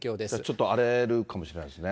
ちょっと荒れるかもしれないですね。